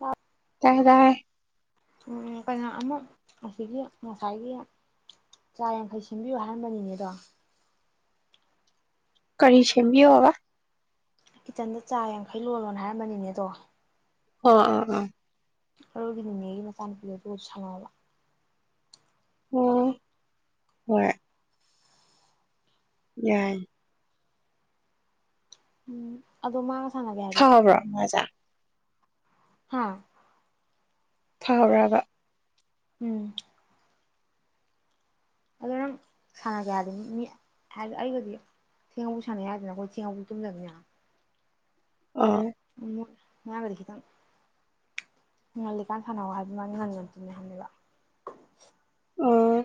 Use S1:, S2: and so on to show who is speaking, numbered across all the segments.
S1: ꯑ
S2: ꯗ
S1: ꯎꯝ ꯀꯩꯅꯣ ꯑꯃꯨꯛ ꯑꯁꯤꯒꯤ ꯉꯁꯥꯏꯒꯤ ꯆꯥ ꯌꯥꯡꯈꯩ ꯁꯤꯟꯕꯤꯌꯨ ꯍꯥꯏꯔꯝꯕꯅꯤꯅꯦ ꯑꯗꯣ
S2: ꯀꯔꯤ ꯁꯦꯝꯕꯤꯑꯣ ꯑꯋꯥ
S1: ꯀꯤꯠꯆꯟꯗ ꯆꯥ ꯌꯥꯡꯈꯩ ꯂꯣꯜꯂꯣꯅ ꯍꯥꯏꯔꯝꯕꯅꯤꯅꯦ ꯑꯗꯣ
S2: ꯑꯣ ꯑ ꯎꯝ
S1: ꯍꯔꯣꯏꯒꯤꯅꯤꯅꯦ ꯑꯩꯒꯤ ꯃꯆꯥꯅꯨꯄꯤꯗ ꯑꯗꯨ ꯁꯪꯉꯕ
S2: ꯑꯣ ꯍꯔ ꯌꯥꯏ
S1: ꯎꯝ ꯑꯗꯨ ꯃꯥ
S2: ꯈꯕ꯭ꯔꯣ ꯃꯖꯥ
S1: ꯍꯥꯝ
S2: ꯊꯍꯧꯔꯛꯑꯔꯕ
S1: ꯎꯝ ꯑꯗꯣ ꯅꯪ ꯁꯥꯟꯅꯒꯦ ꯍꯥꯏꯗ ꯃꯤ ꯍꯥꯏꯗꯤ ꯑꯩꯒꯗꯤ ꯊꯦꯡꯉꯧꯕ ꯁꯥꯟꯅꯩ ꯌꯥꯗꯦꯅ ꯑꯩꯈꯣꯏ ꯊꯦꯡꯉꯧꯕ ꯇꯨꯝꯗꯕꯅꯦꯅ
S2: ꯑꯥ
S1: ꯎꯝ ꯌꯥꯕꯈꯤꯗ ꯉꯜꯂꯤꯀꯥꯟ ꯁꯥꯟꯅꯧ ꯍꯥꯏꯕ ꯃꯥꯅꯤ ꯉꯟꯖꯣꯟꯗꯨꯅꯦ ꯍꯥꯏꯅꯦꯕ
S2: ꯑꯣ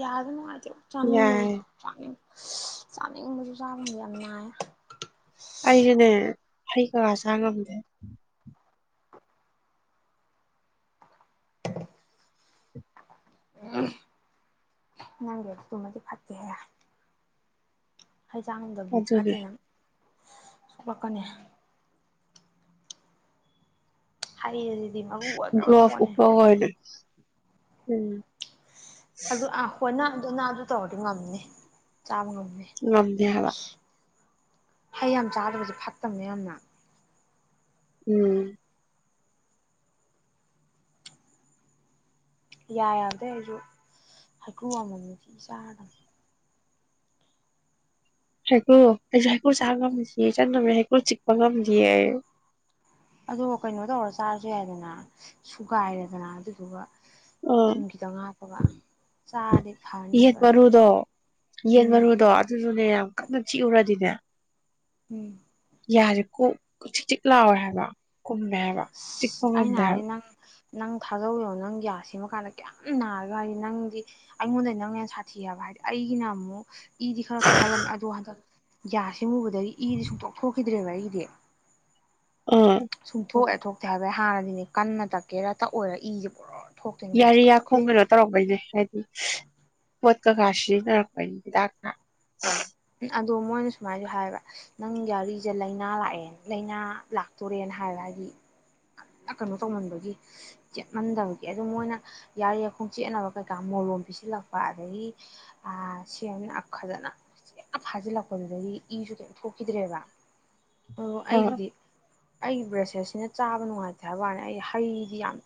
S1: ꯌꯥꯗ ꯃꯥ ꯆꯅꯤ
S2: ꯌꯥꯏ
S1: ꯆꯅꯤ ꯆꯥꯅꯤꯡꯕꯁꯨ ꯆꯥꯐꯝꯗꯤ ꯌꯥꯝ ꯅꯨꯡꯉꯥꯏ
S2: ꯑꯏꯔꯅꯦ ꯍꯩ ꯀ ꯆꯥꯡꯒꯝꯗꯦ ꯎ
S1: ꯅꯪꯒꯦ ꯇꯨ ꯃꯗꯤ ꯐꯠꯇ ꯍꯥꯏ ꯍꯩꯖꯥꯡꯗꯕꯗꯨꯗꯤ
S2: ꯑꯗꯨꯅꯦ
S1: ꯐꯠꯇꯦꯅ ꯣꯛꯂꯥꯛꯀꯅꯤ ꯍꯥꯏ ꯍꯥꯏ
S2: ꯭ꯂꯣꯚ ꯎ ꯑꯣꯏꯅꯦ ꯎꯝ
S1: ꯑꯗꯨ ꯑꯍꯅ ꯅ ꯑꯗꯨ ꯇꯣꯅꯤꯦ ꯇꯥꯕ ꯉꯝꯃꯦ
S2: ꯉꯝꯗꯦ ꯍꯥꯏꯕ
S1: ꯍꯩ ꯌꯥꯝ ꯆꯥꯗꯕꯁꯦ ꯐꯠꯇꯕꯅꯦ ꯌꯥꯝꯅ
S2: ꯎꯝ
S1: ꯌꯥ ꯌꯥꯗꯦ ꯑꯩꯁꯨ ꯍꯩꯀ꯭ꯔꯨ ꯑꯃꯃꯝꯁꯤ ꯆꯥꯗ
S2: ꯍꯒꯣ ꯑꯩ ꯃꯨꯔ ꯆꯥꯒ ꯃꯦꯁꯤ ꯏ ꯆꯅꯃꯤ ꯄꯨꯜ ꯆꯤꯄꯉ ꯃꯔ
S1: ꯑꯗꯣ ꯀꯩꯅꯣ ꯇꯧꯔ ꯆꯥꯔꯁꯨ ꯌꯥꯏꯗꯅ ꯁꯨꯒꯥꯏꯔꯦꯗꯅ ꯑꯗꯨꯗꯨꯒ
S2: ꯎ
S1: ꯊꯨꯝ ꯈꯤꯇꯪ ꯍꯥꯞꯄꯒ ꯆꯥꯔꯗꯤ
S2: ꯌꯦꯟ
S1: ꯐꯅꯤꯕ ꯑꯗꯣ
S2: ꯃꯔꯨꯗꯣ ꯌꯦꯟ
S1: ꯎꯝ
S2: ꯃꯔꯨꯗꯣ ꯑꯗꯨꯗꯨꯅꯦ ꯌꯥꯝ ꯀꯟꯅ ꯆꯤꯛꯎꯨꯔꯗꯤꯅꯦ
S1: ꯎꯝ
S2: ꯌꯥꯁꯦ ꯀꯣꯛ ꯆꯛ ꯆꯤꯛ ꯂꯥꯎꯋꯦ ꯍꯥꯏꯕ ꯀꯨꯝꯃꯦꯦꯕ
S1: ꯑꯁ ꯑꯩꯅ
S2: ꯆꯤꯛꯒꯗꯔ
S1: ꯍꯥꯏꯗꯤ ꯅꯪ ꯅꯪ ꯊꯥꯖꯧꯋꯦꯣ ꯅꯪ ꯌꯥ ꯁꯦꯝꯃ ꯀꯥꯟꯗ ꯀꯌꯥꯝ ꯅꯥꯔꯒ ꯍꯥꯏꯗꯤ ꯅꯪꯗꯤ ꯑꯩꯉꯣꯟꯗꯩ ꯅꯪ ꯍꯦꯟꯅ ꯁꯥꯊꯤ ꯍꯥꯏꯕ ꯍꯥꯏꯗꯤ ꯑꯩꯒꯤꯅ ꯑꯃꯨꯛ ꯏꯗꯤ ꯈꯔ ꯊꯣꯛꯍꯜꯂꯝꯃꯦ ꯑꯗꯨ ꯍꯟꯗꯛ ꯌꯥꯏ ꯁꯤꯡꯎꯨꯕꯗꯒꯤ ꯏꯗꯤ ꯁꯨꯡꯛꯇꯣꯛꯈꯤꯗ ꯭ꯔꯦꯕꯗꯦ
S2: ꯑꯥ
S1: ꯁꯨꯊꯣ ꯇꯊꯣꯛꯇꯦ ꯍꯥꯏꯕꯩ ꯍꯥꯟꯅꯗꯤꯅꯦ ꯀꯟꯅ ꯇꯛꯀꯦꯔ ꯇꯛꯑꯣꯔ ꯏꯁꯦ ꯄꯨꯔ ꯊꯣꯛꯇꯣꯏꯅꯤ ꯕ꯭ꯔꯁ
S2: ꯌꯥꯔꯤ ꯌꯥ
S1: ꯇꯧꯔꯤ
S2: ꯈꯣꯡ
S1: ꯈꯨꯗꯤꯡꯒꯤ
S2: ꯀꯩꯅꯣ ꯇꯧꯔꯛꯄꯩꯁꯦ ꯍꯥꯏꯗꯤ ꯃꯣꯠꯀ ꯈꯁꯤꯅꯔꯗ
S1: ꯑꯗꯣ ꯃꯣꯏꯅ ꯁꯨꯃꯥꯏꯅꯁꯨ ꯍꯥꯏꯕ ꯅꯪ ꯌꯥꯔꯤꯁꯦ ꯂꯥꯏꯅꯥ ꯂꯥꯛꯑꯦ ꯂꯥꯏꯅꯥ ꯂꯥꯛꯇꯣꯔꯦꯅ ꯍꯥꯏꯕ ꯍꯥꯏꯗꯤ ꯀꯩꯅꯣ ꯇꯧꯃꯟꯕꯒꯤ ꯆꯦꯠꯃꯟꯗꯕꯒꯤ ꯑꯗꯨ ꯃꯣꯏꯅ ꯌꯥꯔꯤ ꯈꯣꯡꯆꯦꯠꯅꯕ ꯀꯩꯀꯥ ꯃꯣꯔꯣꯝ ꯄꯤꯁꯤꯜꯂꯛꯄ ꯑꯗꯒꯤ ꯁꯦꯝꯅ ꯐꯖꯅ ꯐꯥꯖꯤꯜꯂꯛꯄꯗꯨꯗꯗꯤ ꯏꯁꯨ ꯀꯩ ꯊꯣꯛꯈꯤꯗ꯭ꯔꯦꯕ ꯑꯣ
S2: ꯑ
S1: ꯑꯩꯒꯤꯗꯤ ꯑꯩꯒꯤ ꯕ꯭ꯔꯦꯁꯂꯦꯠꯁꯤꯅ ꯆꯥꯕ ꯅꯨꯡꯉꯥꯏꯇꯦ ꯍꯥꯏꯕ ꯋꯥꯅꯤ ꯑꯩ ꯍꯩꯗꯤ ꯌꯥꯝ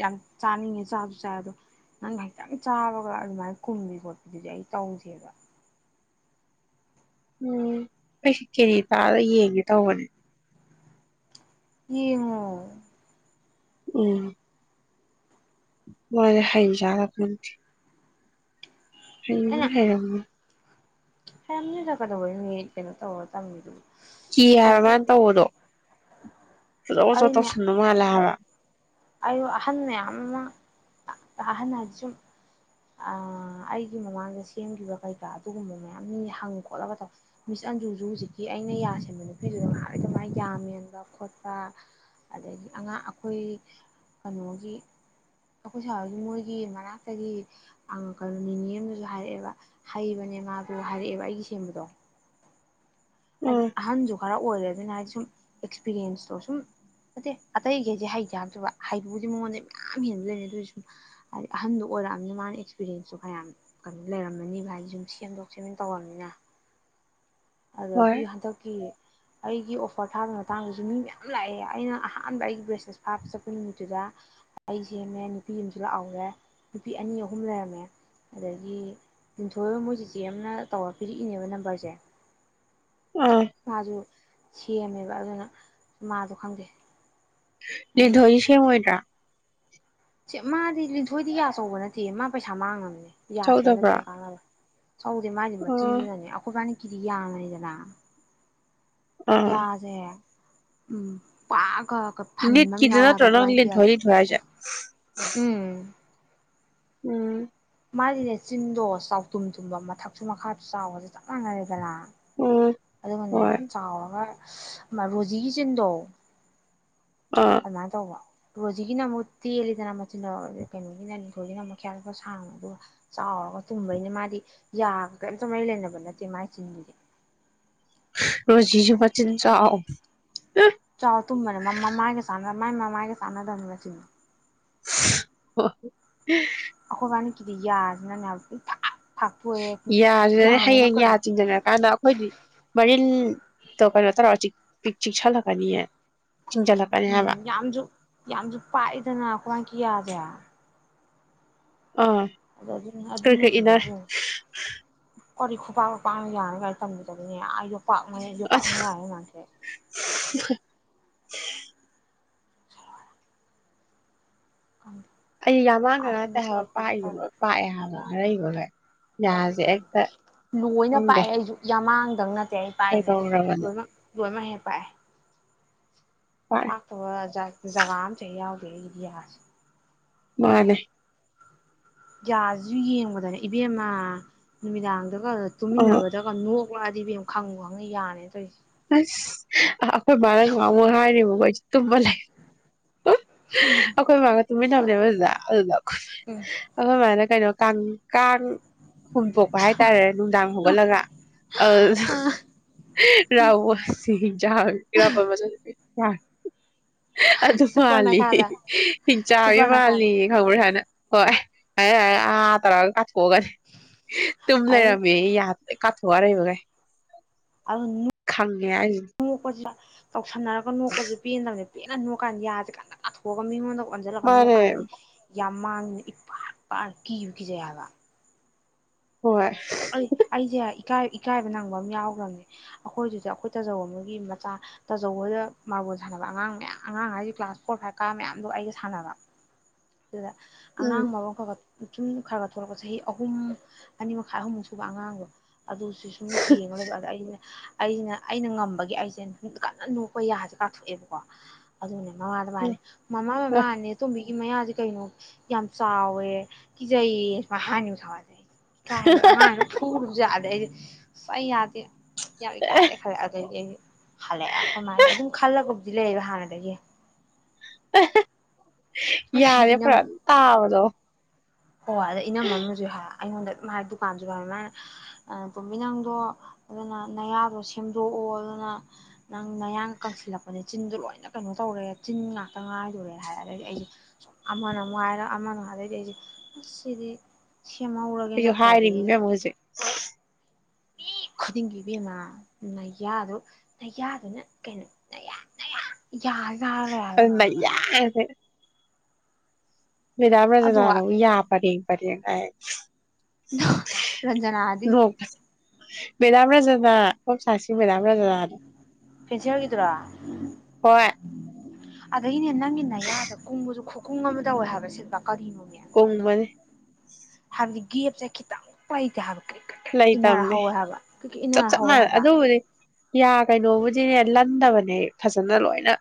S1: ꯌꯥꯝ ꯆꯥꯅꯤꯡꯉꯦ ꯆꯥꯕꯁꯨ ꯆꯥꯏ ꯑꯗꯣ ꯅꯪ ꯍꯇꯪ ꯆꯥꯕꯒ ꯑꯗꯨꯃꯥꯏꯅ ꯀꯨꯝꯕꯤ ꯈꯣꯠꯄꯗꯨꯗꯤ ꯑꯩ ꯇꯧꯗꯦꯕ
S2: ꯎꯝ ꯑꯩꯩꯁ ꯀꯦꯖꯤ ꯇꯥꯗ ꯌꯦꯡꯒꯦ ꯇꯧꯕꯅꯦ
S1: ꯌꯦꯡꯉ
S2: ꯎꯝ ꯃꯣꯔꯗ ꯍꯥꯏꯖꯥ ꯀꯇꯤ ꯐ ꯍꯦꯔ
S1: ꯍꯦ ꯑ ꯌꯥꯝꯅꯤ ꯗꯗꯕꯨ ꯀꯩꯅꯣ ꯇꯧ ꯇꯝꯗꯨ
S2: ꯀꯤ ꯍꯥꯏꯕ ꯃꯥꯅ ꯇꯧꯕꯗꯣ ꯐꯖꯧ ꯐꯖ ꯇꯧꯁꯟꯗꯧ ꯃꯥꯜꯂꯦ ꯍꯥꯏꯕ
S1: ꯑꯩꯌ ꯑꯍꯟ ꯃꯌꯥꯝ ꯑꯃ ꯑꯍꯟ ꯍꯥꯏꯗꯤ ꯁꯨꯝ ꯑꯩꯒꯤ ꯃꯃꯥꯡꯗ ꯁꯦꯝꯈꯤꯕ ꯀꯩꯀꯥ ꯑꯗꯨꯒꯨꯝꯕ ꯃꯌꯥꯝꯅꯤ ꯍꯪ ꯈꯣꯠꯂꯒ ꯇꯧ ꯃꯤꯁ ꯑꯟꯖꯨꯁꯨ ꯍꯧꯖꯤꯛꯀꯤ ꯑꯩꯅ ꯌꯥꯁꯕ ꯅꯨꯄꯤꯗꯨꯗ ꯉꯥꯗꯤ ꯀꯃꯥꯏꯅ ꯌꯥꯝꯃꯦꯟꯕ ꯈꯣꯠꯄ ꯑꯗꯒꯤ ꯑꯉꯥꯡ ꯑꯩꯈꯣꯏ ꯀꯩꯅꯣꯒꯤ ꯑꯩꯈꯣꯏ ꯁꯥꯔꯒꯤ ꯃꯣꯏꯒꯤ ꯃꯅꯥꯛꯇꯒꯤ ꯀꯩꯅꯣ ꯅꯤꯅꯦ ꯑꯗꯨꯁꯨ ꯍꯥꯏꯔꯛꯑꯦꯕ ꯍꯩꯕꯅꯦ ꯃꯥꯗꯨꯣ ꯍꯥꯏꯔꯛꯑꯦꯕ ꯑꯩꯒꯤ ꯁꯦꯝꯕꯗꯣ ꯍꯥꯏ
S2: ꯎꯝ
S1: ꯑꯍꯟꯖꯣ ꯈꯔ ꯑꯣꯏꯔꯦ ꯑꯗꯨꯅ ꯍꯥꯏꯗꯤ ꯁꯨꯝ ꯑꯦꯛꯁꯄꯤꯔꯤꯦꯟꯁꯇꯣ ꯁꯨꯝ ꯑꯠꯇꯦ ꯑꯇꯩꯒꯩꯁꯦ ꯍꯩꯇꯦ ꯍꯥꯏꯗꯕ ꯍꯩꯕꯕꯨꯗꯤ ꯃꯉꯣꯟꯗ ꯃꯌꯥꯝ ꯍꯦꯟꯟꯅ ꯂꯩꯔ ꯑꯗꯨꯑꯣꯁꯨ ꯁꯨꯝ ꯍꯥꯏꯗꯤ ꯑꯍꯟꯗꯣ ꯑꯣꯏꯔꯛꯑꯅꯤꯅ ꯃꯥꯅ ꯑꯦꯛꯁꯄꯤꯔꯤꯦꯟꯁꯇꯣ ꯈꯌꯥꯝ ꯀꯩꯅꯣ ꯂꯩꯔꯝꯃꯅꯤꯕ ꯍꯥꯏꯗꯤ ꯁꯨꯝ ꯁꯦꯝꯗꯣꯛ ꯁꯦꯝꯖꯤꯟ ꯇꯧꯔꯕꯅꯤꯅ
S2: ꯍꯣꯏ
S1: ꯑꯗꯒꯤ ꯍꯟꯗꯛꯀꯤ ꯑꯩꯒꯤ ꯑꯣꯐꯔ ꯊꯥꯕ ꯃꯇꯥꯡꯗꯁꯨ ꯃꯤ ꯃꯌꯥꯝ ꯂꯥꯛꯑꯦ ꯑꯩꯅ ꯑꯍꯥꯟꯕ ꯑꯩꯒꯤ ꯕ꯭ꯔꯦꯁꯂꯦꯁ ꯐꯥꯕ ꯆꯠꯄ ꯅꯨꯃꯤꯠꯇꯨꯗ ꯑꯩ ꯁꯦꯝꯃꯦ ꯅꯨꯄꯤ ꯑꯃꯁꯨ ꯂꯥꯛꯍꯧꯔꯦ ꯅꯨꯄꯤ ꯑꯅꯤ ꯑꯍꯨꯝ ꯂꯩꯔꯝꯃꯦ ꯑꯗꯒꯤ ꯂꯤꯟꯊꯣꯏꯕ ꯃꯣꯏ ꯆꯦ ꯆꯦꯅ ꯇꯧꯔ ꯄꯤꯔꯛꯏꯅꯦꯕ ꯅꯝꯕꯔꯁꯦ
S2: ꯑꯥ
S1: ꯍꯖꯣ ꯁꯦꯝꯃꯦꯕ ꯑꯗꯨꯅ ꯃꯥꯗꯣ ꯈꯪꯗꯦ
S2: ꯂꯤꯗꯣꯏꯁꯦ ꯃꯣꯏꯥ
S1: ꯁ ꯃꯥꯗꯤ ꯂꯤꯟꯊꯣꯏꯗꯤ ꯀ ꯑꯆꯧꯕ ꯅꯠꯇꯦ ꯃꯥ ꯄꯩꯁꯥ ꯃꯥꯡꯉꯕꯅꯦ ꯌꯥꯁꯦꯅꯅ
S2: ꯁꯧꯗꯕ꯭ꯔꯣ
S1: ꯀꯝ ꯀꯥꯅꯅꯕ ꯆꯥꯎꯧꯗꯦ ꯃꯥꯗꯤ
S2: ꯑꯥ
S1: ꯃꯆꯤꯟꯗꯨꯅꯅꯦ ꯑꯩꯈꯣꯏꯕꯥꯅꯤ ꯀꯤꯔꯤꯌꯥꯅꯗꯅ
S2: ꯑꯥ
S1: ꯌꯥꯗꯦ ꯎꯝ ꯄ
S2: ꯅꯅꯤꯠ ꯀꯗꯅ ꯔꯅꯪ ꯊꯔꯤ ꯣꯏꯖ
S1: ꯎꯝ
S2: ꯎꯝ
S1: ꯃꯥꯒꯤꯅꯦ ꯆꯤꯟꯗꯣ ꯆꯥꯎꯇꯨꯝ ꯊꯨꯝꯕ ꯃꯊꯛꯁꯨ ꯃꯈꯥꯁꯨ ꯆꯥꯎꯕꯁꯦ ꯆꯞ ꯃꯥꯟꯅꯔꯦꯗꯅꯥ
S2: ꯎꯝ
S1: ꯑꯗꯨꯒ ꯃꯅꯦ
S2: ꯍꯣꯏ
S1: ꯆꯥꯎꯔꯒ ꯔꯣꯖꯤꯒꯤꯁꯤꯅꯗꯣ
S2: ꯑꯥ
S1: ꯑꯃ ꯇꯣꯡ ꯔꯣꯖꯤꯒꯤꯅ ꯑꯃꯨꯛ ꯇꯦꯜꯂꯤꯗꯅ ꯃꯆꯤꯟ ꯀꯩꯅꯣꯒꯤꯅ ꯅꯤꯡꯈꯣꯒꯤꯅ ꯑꯃꯨꯛ ꯈꯦꯄ ꯁꯥꯡꯕ ꯑꯗꯨꯒ ꯆꯥꯎꯔꯒ ꯇꯨꯝꯕꯅꯤꯅ ꯃꯥꯗꯤ ꯌꯥꯒ ꯀꯔꯤꯝꯇ ꯃꯔꯤ ꯂꯩꯅꯕ ꯅꯠꯇꯦ ꯃꯥꯒꯤ ꯆꯤꯟꯗꯨꯁ
S2: ꯔꯣꯖꯤꯁꯨꯕꯆꯤꯟ ꯆ ꯑꯥꯎ
S1: ꯆꯥꯎ ꯇꯨꯝꯕꯅꯦ ꯃ ꯃꯥꯒ ꯁꯥꯟꯅ ꯃꯥꯏ ꯃꯃꯥꯒꯤ ꯁꯥꯟꯅꯗꯧꯅꯤꯅ ꯁꯤꯅ
S2: ꯍ ꯍ
S1: ꯑꯈꯕꯥꯅꯤ ꯀꯗꯤ ꯌꯥꯔꯅꯅꯦ
S2: ꯌꯥꯁꯤꯗꯅꯦ ꯍꯌꯦꯡ ꯌꯥ ꯆꯤꯟꯖꯔꯀꯥꯟꯗ ꯑꯩꯈꯣꯏꯗꯤ ꯃꯔꯤꯜ ꯇꯀꯥꯟꯅ ꯇ ꯄꯛ ꯆꯛ ꯆꯂꯀꯥꯅꯤ
S1: ꯎꯝ ꯌꯥꯝꯁꯨ ꯌꯥꯝꯁꯨ ꯄꯥꯛꯗꯅ ꯑꯩꯋꯥ ꯀꯤꯌꯥꯗꯦ
S2: ꯑ
S1: ꯑꯗꯨꯅ
S2: ꯀꯔ ꯀꯩ ꯏꯗꯔꯦ
S1: ꯑꯣ ꯈꯨꯄꯥꯛꯥꯛ ꯈꯨ ꯄꯥꯡꯅ ꯌꯥꯅꯤ ꯀꯥꯏ ꯇꯝꯕꯤꯗꯅꯤꯅꯦ ꯑꯩꯗꯣ ꯣꯄ ꯃ ꯌꯣꯄꯄꯥꯛ
S2: ꯑꯁ
S1: ꯃꯌꯥ ꯍꯥꯏ ꯃꯥꯊꯦ
S2: [unintelligible]
S1: ꯑ
S2: ꯑꯩ ꯌꯥꯝ ꯃꯥꯡꯗ
S1: ꯑꯥ
S2: ꯅꯠꯇꯦ
S1: ꯁꯨꯝꯗꯣꯛꯄꯤ
S2: ꯍꯥꯏꯕ
S1: ꯂꯣꯏꯄꯤꯒ
S2: ꯄꯥꯛꯏꯗꯨ
S1: ꯇꯧꯋꯦ
S2: ꯂꯣꯏ ꯄꯥꯛꯑꯦ ꯍꯥꯏꯕ ꯑꯔꯩꯕ ꯍꯣꯏ ꯌꯥꯁꯦ ꯍꯦꯛꯇ ꯈꯪꯗꯦ
S1: ꯆꯪꯅ ꯄꯥꯏꯖꯦ
S2: ꯀꯩꯗꯧꯔꯕꯅꯦ
S1: ꯣꯏ ꯃꯍ ꯃꯍꯦ ꯄꯥꯏ
S2: ꯄꯥꯛꯑꯦ
S1: ꯑꯥ ꯕ ꯑꯃ ꯆ ꯗꯔꯤꯌꯥꯁ
S2: ꯃꯥꯅꯦ
S1: ꯌꯥꯁꯤꯁꯨ ꯌꯦꯡꯕꯗꯅꯦ ꯏꯕꯦꯝꯃ ꯅꯨꯃꯤꯗꯥꯡꯗ
S2: ꯑꯥ
S1: ꯇꯨꯃꯤꯟꯅꯕꯗꯒ ꯅꯣꯛ ꯀꯂꯛꯗꯤꯕꯦꯝ ꯈꯪꯉꯨ ꯈꯪꯉ ꯌꯥꯔꯦꯅꯧꯔꯤꯦ
S2: ꯑꯁ ꯑ ꯍꯣꯏ ꯕꯥꯔꯒ ꯉ ꯍꯥꯏꯔꯔꯤꯕꯣ ꯑꯩꯣꯏꯁ ꯇꯣꯂꯦ ꯑꯩꯈꯣꯏ ꯃꯥꯒ ꯇꯨꯃꯤꯟꯅ ꯊꯕꯅꯦꯕꯖꯥ ꯑꯗꯨꯗ
S1: ꯎꯝ
S2: ꯑꯩꯈꯣꯏ ꯃꯥꯅ ꯀꯩꯅꯣ ꯀꯥꯡ ꯀꯥꯡꯥꯟ ꯍꯨꯝꯗꯣꯛꯄ ꯍꯥꯏꯇꯥꯔꯦ ꯅꯨꯡꯗꯥꯡ ꯍꯧꯒꯠꯂꯒ
S1: ꯑ
S2: ꯏꯔꯥꯕꯁꯤꯡꯖꯥꯡꯥꯡ ꯏꯔꯥꯕꯠ ꯃꯆ ꯑ ꯑꯗꯨꯗ ꯃꯥ
S1: ꯁꯨꯄꯔ ꯅꯈꯥꯗ
S2: ꯍꯤꯡ ꯆꯥ
S1: ꯁꯨꯄꯔ ꯅꯈꯥꯗ
S2: ꯃꯥꯜꯂꯤ ꯈꯪ ꯍꯣꯏ ꯇꯔꯥ ꯀꯣꯛꯒꯅꯤ ꯇꯨꯝ
S1: ꯑꯗꯩ
S2: ꯂꯩꯔꯝꯃꯦ ꯌꯥꯗ꯭ꯔꯦ ꯀꯥꯊꯔꯕꯒꯥꯏ
S1: ꯑ ꯇꯧꯁꯟꯅꯔꯒ ꯅꯣꯛꯄꯁꯨ ꯄꯦꯟꯗꯕꯅꯦ ꯄꯦꯅ ꯅꯣꯛꯀꯥꯟꯗ ꯌꯥꯗꯁꯤ ꯀꯥꯟꯗꯥꯊꯣꯛꯑꯒ ꯃꯤꯉꯣꯟꯗ ꯑꯣꯟꯖꯥꯂꯒꯅ ꯃꯨ
S2: ꯃꯥꯅꯦ
S1: ꯀꯥꯗꯤ ꯌꯥꯝ ꯃꯥꯡꯉꯅ ꯏꯄꯥꯛ ꯏ ꯄ ꯀꯤꯌꯨ ꯀꯤꯖꯩ ꯍꯥꯏꯕ
S2: ꯍꯣꯏ
S1: ꯑꯩ ꯑꯩꯗꯤꯦ ꯏꯀꯥꯏꯕ ꯅꯪꯕ ꯑꯃ ꯌꯥꯎꯈ꯭ꯔꯕꯅꯦ ꯑꯩꯈꯣꯏꯁꯤꯗ ꯑꯩꯈꯣꯏ ꯇꯥꯖꯧꯕ ꯑꯃꯒꯤ ꯃꯆꯥ ꯇꯥꯖꯧꯕꯗ ꯃꯥꯔꯕꯣꯜ ꯁꯥꯟꯅꯕ ꯑꯉꯥꯡ ꯃꯌꯥꯝ ꯑꯉꯥꯡ ꯍꯥꯏꯁꯦ ꯀ꯭ꯂꯥꯁ ꯐꯣꯔ ꯐꯥꯏꯚ ꯀꯥ ꯃꯌꯥꯝꯗꯣ ꯑꯩꯒ ꯁꯥꯟꯅꯕ ꯑꯗꯨꯗ
S2: ꯎꯝ
S1: ꯑꯉꯥꯡ ꯃꯐꯝꯈꯒ ꯆꯨꯝ ꯈꯔ ꯈꯔ ꯊꯣꯛꯂꯛꯄ ꯆꯍꯤ ꯑꯍꯨꯝ ꯑꯅꯤ ꯃꯈꯥꯏ ꯑꯍꯨꯝꯃꯨꯛ ꯁꯨꯕ ꯑꯉꯥꯡꯗꯣ ꯑꯗꯨ ꯁꯤ ꯁꯨꯝ ꯌꯦꯦꯉ ꯑꯩꯅ ꯑꯩꯁꯤꯅ ꯑꯩꯅ ꯉꯝꯕꯒꯤ ꯑꯩꯁꯦ ꯅꯨꯡ ꯀꯟꯅ ꯅꯣꯛꯄ ꯌꯥꯁꯦ ꯀꯥꯞꯊꯣꯛꯑꯦꯕꯀꯣ ꯑꯗꯨꯅꯦ ꯃꯃꯥ ꯃꯥꯗ ꯃꯥꯅꯦꯦ ꯃꯃꯥ ꯃꯃꯥ ꯑꯅꯤ ꯊꯨꯝ ꯃꯌꯥꯗꯤ ꯀꯩꯅꯣ ꯌꯥꯝ ꯆꯥꯎꯋꯦ ꯀꯤꯖꯩꯌꯦ ꯁꯨꯃꯥꯏ ꯍꯉꯨ ꯊꯋꯥꯖꯩ ꯀꯥꯏ ꯑꯃꯥ ꯐꯨꯔꯖꯥ ꯁꯍꯤ ꯌꯥꯗꯦ ꯌꯥ ꯀꯔ ꯈꯔ ꯊ ꯍꯜꯂꯛꯑꯦ ꯑꯩꯈꯣꯏ ꯃꯥꯁꯦ ꯑꯗꯨꯝ ꯈꯜꯂꯒꯕꯨꯗꯤ ꯂꯩꯕ ꯍꯥꯟꯅꯗꯒꯤ
S2: [unintelligible]
S1: ꯑꯗꯩ
S2: ꯌꯥꯔꯦ ꯈꯔꯥ ꯇꯥꯕꯗꯣ
S1: ꯑꯣ ꯑꯗ ꯏꯅꯝꯃꯅꯨꯁꯨ ꯍꯥꯏ ꯑꯩꯉꯣꯟꯗ ꯃꯥꯥꯏ ꯗꯨꯀꯥꯟꯁꯨ ꯃꯥꯅ ꯇꯣꯝꯕꯥ ꯅꯪꯗꯣ ꯑꯗꯨꯅ ꯅꯌꯥꯗꯣ ꯁꯦꯝꯗꯣꯛꯑꯣ ꯑꯗꯨꯅ ꯅꯪ ꯅꯌꯥꯡ ꯀꯪꯁꯤꯜꯂꯛꯄꯅꯦ ꯆꯤꯟꯗꯣ ꯂꯣꯏꯅ ꯀꯩꯅꯣ ꯇꯧꯔꯦ ꯆꯤꯟ ꯉꯥꯛꯇ ꯉꯥꯏꯗꯣꯔꯦ ꯍꯥꯏꯔ ꯑꯩꯗꯤ ꯑꯩꯁꯦ ꯑꯃꯅ ꯑꯃꯨꯛ ꯍꯥꯏꯔꯛ ꯑꯃꯅꯃꯨꯛ ꯑꯗꯩ ꯑꯩꯁꯦ ꯁꯤꯗꯤ ꯁꯦꯝꯍꯧꯔꯒꯦ
S2: ꯑꯩꯁꯨ ꯍꯥꯏꯔꯤꯅꯤ
S1: ꯅꯠꯇ꯭ꯔꯗꯤꯅ
S2: ꯏꯕꯦꯝꯃ [unintelligible]
S1: ꯃꯤ ꯈꯨꯗꯤꯡꯒꯤ ꯏꯕꯦꯝꯃꯥ ꯅꯌꯥꯗꯨ ꯅꯩꯌꯥꯗꯨꯅ ꯀꯩꯅꯣ ꯅꯌꯥ ꯅꯌꯥ ꯌꯥꯖꯤꯗ ꯍꯥꯏ ꯂꯩ ꯍꯥꯏꯕ
S2: ꯑꯗꯨꯅ ꯃꯗꯥꯝ
S1: ꯑꯗꯣ
S2: ꯔꯟꯖꯅꯅ ꯑꯃꯨꯛ ꯌꯥ ꯄꯔꯦꯡ ꯄꯔꯦꯡ [unintelligible]
S1: ꯔꯟꯖꯅꯥ ꯑꯗꯤ
S2: ꯅꯣꯛꯄꯁꯦ ꯃꯦꯗꯥꯝ ꯔꯟꯖꯅꯥ ꯍꯣꯝ ꯁꯥꯏꯟꯏꯁꯤ ꯃꯦꯗꯥꯝ ꯖꯥ
S1: ꯐꯤꯁꯦꯜꯒꯤꯗꯨꯔꯣ
S2: ꯍꯣꯏ
S1: ꯑꯗꯩꯅꯦ ꯅꯪꯒꯤ ꯅꯌꯥꯗ ꯀꯨꯡꯕꯗꯨ [unintelligible] ꯀꯨꯡ ꯑꯃ ꯇꯧꯋꯦ ꯍꯥꯏꯕ ꯁꯤꯠꯄ ꯀꯔꯤꯅꯣ
S2: ꯀꯨꯡꯕꯅꯤ
S1: ꯍꯥꯏꯕꯗꯤ ꯒꯦꯞꯁꯦ ꯈꯤꯇꯪ ꯐꯧ ꯂꯩꯇꯦ ꯍꯥꯏꯕ ꯀ꯭ꯔꯤꯛ ꯀ꯭ꯔꯤꯛ ꯀ꯭ꯔꯤꯛ
S2: ꯂꯩ
S1: ꯏꯟꯅꯔ
S2: ꯇꯝꯅꯦ
S1: ꯍꯧꯋꯦ ꯍꯥꯏꯕ ꯀ꯭ꯔꯤꯛ ꯀ꯭ꯔꯤꯛ
S2: ꯆꯞ
S1: ꯏꯟꯅꯔ
S2: ꯆꯞ
S1: ꯍꯧꯋꯦ
S2: ꯃꯥꯟꯅꯩ
S1: ꯍꯥꯏꯕ
S2: ꯑꯗꯨꯕꯨꯗꯤ ꯌꯥ ꯀꯩꯅꯣꯕꯨꯗꯤꯅꯦ ꯂꯟꯗꯕꯅꯦ ꯐꯖꯅ ꯂꯣꯏꯅ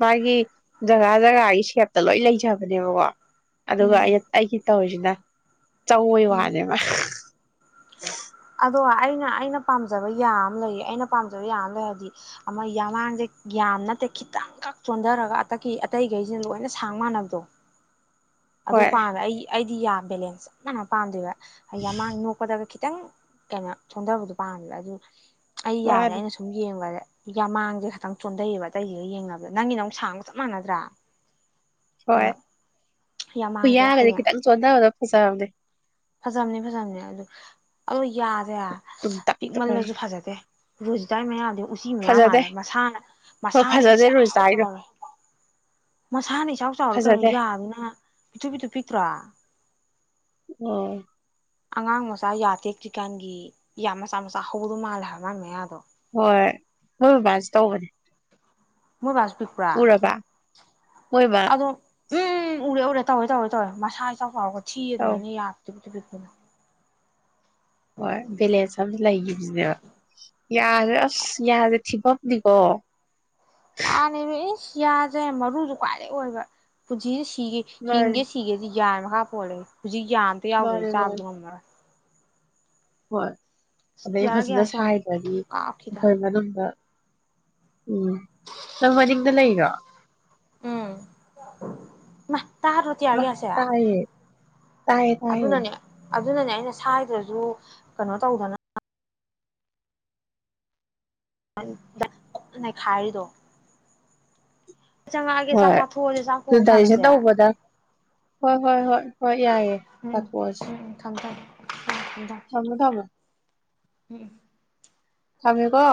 S2: ꯃꯥꯒꯤ ꯖꯒꯥ ꯖꯒꯥꯒꯤ ꯁꯦꯞꯇ ꯂꯣꯏ ꯂꯩꯖꯕꯅꯦꯕꯀꯣ ꯑꯗꯨꯒ
S1: ꯎꯝ
S2: ꯑꯩꯒꯤ ꯇꯧꯔꯤꯁꯤꯅ ꯆꯧꯕꯩ
S1: ꯎꯝ
S2: ꯋꯥꯅꯦꯕ [unintelligible]
S1: ꯑꯗꯣ ꯑꯩꯅ ꯑꯩꯅ ꯄꯥꯝꯖꯕ ꯌꯥꯝ ꯑꯃ ꯂꯩꯌꯦ ꯑꯩꯅ ꯄꯥꯝꯖꯕ ꯌꯥꯝ ꯑꯃ ꯂꯩ ꯍꯥꯏꯕꯗꯤ ꯑꯃ ꯌꯥꯝꯃꯥꯡꯁꯦ ꯌꯥꯝ ꯅꯠꯇꯦ ꯈꯤꯇꯪꯈꯛ ꯆꯣꯟꯊꯔꯒ ꯑꯇꯩ ꯑꯇꯩꯈꯩꯁꯤꯅ ꯂꯣꯏꯅ ꯁꯥꯡ ꯃꯥꯟꯅꯕꯗꯣ ꯑꯗꯨ
S2: ꯍꯣꯏ
S1: ꯄꯥꯝꯃꯦ ꯌꯥ ꯕꯦꯂꯦꯟꯁ ꯆꯞ ꯃꯥꯟꯅ ꯄꯥꯝꯗꯦꯕ ꯑ ꯌꯥꯃꯥꯡ ꯅꯣꯛꯀꯗꯒ ꯈꯤ ꯈꯤꯇꯪ ꯀꯩꯅꯣ ꯆꯣꯟꯊꯕꯗꯣ ꯄꯥꯝꯃꯦꯕ ꯑꯗꯨ ꯑꯩ ꯌꯥꯁꯦ
S2: ꯃꯥꯅꯦ
S1: ꯑꯩꯅ ꯁꯨꯝ ꯌꯦꯡꯕꯗꯦ ꯌꯥ ꯃꯥꯡꯁꯦ ꯈꯇꯪ ꯆꯣꯟꯊꯩꯌꯦꯕ ꯑꯇꯩꯁꯤꯒ ꯌꯦꯡꯅꯕꯗ ꯅꯪꯒꯤ ꯅꯪꯨꯛ ꯁꯥꯡꯕ ꯆꯞ ꯃꯥꯟꯅꯗ꯭ꯔꯥ
S2: ꯍꯣꯏ
S1: ꯑꯗꯣ ꯌꯥꯃꯥꯡꯁꯦ
S2: ꯍꯨꯏꯌꯥꯒꯁꯤ
S1: ꯍꯌꯦꯡ
S2: ꯈꯤꯇꯪ ꯆꯣꯟꯗ ꯐꯖꯕꯁꯦ
S1: ꯐꯖꯕꯅꯤ ꯐꯖꯕꯅꯦ ꯑꯗꯨ ꯌꯥꯁꯦ
S2: ꯇꯨꯝꯇꯛꯇ
S1: ꯄꯤꯛꯃꯜꯂꯁꯨ ꯐꯖꯗꯦ ꯔꯨꯁꯗꯥꯏ ꯃ ꯑꯗꯨꯣ ꯎꯆꯤ ꯃꯌꯥꯝ
S2: ꯐꯖꯗꯦ
S1: ꯃꯥꯜꯂꯦ ꯃꯁꯥꯅ
S2: ꯍꯣꯏ
S1: ꯃꯁꯥꯅ
S2: ꯐꯖꯗꯦ
S1: ꯏꯆꯥꯎ
S2: ꯔꯣꯖꯤꯇꯥꯒꯤꯗꯣ
S1: ꯆꯥꯎꯔꯦ ꯃꯁꯥꯅꯤ ꯏꯆꯥꯎ ꯆꯥꯎꯔ ꯀꯩꯅꯣ
S2: ꯐꯖꯗꯦ
S1: ꯌꯥꯕꯅꯤꯅ ꯄꯤꯊꯨ ꯄꯤꯊꯨ ꯄꯤꯛꯇ꯭ꯔꯣ
S2: ꯎꯝ
S1: ꯑꯉꯥꯡ ꯃꯆꯥ ꯌꯥ ꯇꯦꯛꯇ꯭ꯔꯤꯀꯥꯟꯒꯤ ꯌꯥꯝ ꯃꯆꯥ ꯃꯆꯥ ꯍꯧꯗꯧ ꯃꯥꯜꯂꯦ ꯍꯥꯏꯕ ꯃꯥꯥꯟ ꯃꯌꯥꯗꯣ
S2: ꯍꯣꯏꯣꯏ ꯍꯣꯏ ꯕꯕꯥꯁ ꯇꯧꯕꯅꯦ
S1: ꯃꯣꯏ ꯔꯥꯕꯤꯤꯛ꯭ꯔꯥ
S2: ꯎꯔꯕ ꯃꯣꯏ ꯕꯕꯥ
S1: ꯑꯗꯣ ꯎꯝ ꯎꯔ ꯎꯔꯦ ꯇꯧꯋ ꯇꯧꯋ ꯇꯧꯋ ꯃꯁꯥ ꯏꯇ ꯐꯥꯎꯔꯒꯗꯤ ꯆꯤ
S2: ꯇꯧ
S1: ꯑꯗꯨꯃꯅ ꯌꯥꯗ꯭ꯔ [unintelligible]
S2: ꯍꯣꯏ ꯂꯦ ꯁꯁꯤ ꯂꯩꯒꯤꯕꯤꯅꯦꯕ ꯌꯥꯔꯦ ꯑꯁ ꯌꯥꯔꯦ ꯊꯤꯐꯝꯅꯤꯀꯣ
S1: ꯃꯥꯅꯦꯅꯤꯃꯤ ꯀꯤꯌꯥꯁꯦ ꯃꯔꯨꯁꯨ ꯈ꯭ꯋꯥꯏꯗꯒꯤꯩ ꯑꯣꯏꯕ ꯄꯨꯖꯤ ꯁꯤꯒ
S2: ꯃꯥꯅꯦ
S1: ꯍꯤꯡꯒꯦ ꯁꯤꯒꯦꯗꯤ ꯌꯥꯟ ꯃ ꯃꯈꯥ ꯄꯣꯂꯦ ꯍꯧ ꯌꯥ ꯑꯝꯇꯥ ꯌꯥꯎꯗ
S2: ꯃꯥꯅꯦ ꯃꯥꯅꯦ
S1: ꯆꯥꯕꯗꯤ ꯎꯃꯔ
S2: ꯍꯣꯏ ꯑꯗꯩ
S1: ꯇꯤꯌꯥꯔ
S2: ꯐꯖꯅ
S1: ꯒ꯭ꯌꯥꯁ ꯌꯥꯝ
S2: ꯁꯥꯏꯗ꯭ꯔꯗꯤ
S1: ꯀꯥꯞꯈꯤꯗ
S2: ꯑꯩꯈꯣꯏ ꯃꯅꯨꯡꯗ ꯎꯝ ꯅꯪ ꯃꯅꯤꯡꯗ ꯂꯩꯔꯣ
S1: ꯎꯝ ꯇꯥꯗ꯭ꯔꯣ ꯇꯤꯌꯥꯔ ꯒ꯭ꯌꯥꯁꯁꯦ
S2: ꯇꯌꯦ ꯇꯥꯌꯦ ꯇꯌꯦ
S1: ꯑꯗꯨꯅꯅꯦ ꯑꯗꯨꯅꯅꯦ ꯑꯩꯅ ꯁꯋꯥꯗ꯭ꯔꯁꯨ ꯀꯩꯅꯣ ꯇꯧꯗꯅ ꯅꯈꯔꯗꯣ
S2: ꯍꯣꯏ
S1: ꯆꯥꯊꯣꯛꯑꯁꯦ ꯆꯥꯛ
S2: ꯑꯗꯨ
S1: ꯊꯣꯡ
S2: ꯗꯥꯏꯖꯦꯛꯁꯟ
S1: ꯁꯥꯟꯅꯁꯦ
S2: ꯇꯧꯕꯗ ꯍꯣꯏ ꯍꯣꯏ ꯍꯣꯏ ꯍꯣꯏ ꯌꯥꯏꯑꯦ
S1: ꯎꯝ
S2: ꯀꯥꯊꯣꯛꯑꯁꯤ
S1: ꯎꯝ ꯎꯝ ꯊꯝ ꯊꯝ ꯎꯝ ꯊꯝ ꯊꯝ
S2: ꯊꯝꯃꯦ ꯊꯝꯃ
S1: ꯎꯝ
S2: ꯊꯝꯀꯣ